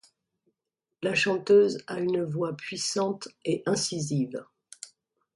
La chanteuse a une voix puissante et incisive.